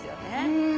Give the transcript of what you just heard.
うん。